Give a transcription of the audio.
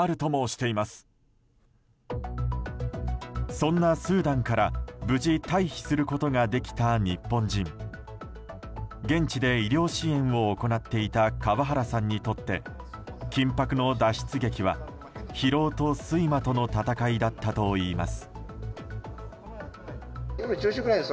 そんなスーダンから無事退避することができた日本人現地で医療支援を行っていた川原さんにとって緊迫の脱出劇は、疲労と睡魔との戦いだったといいます。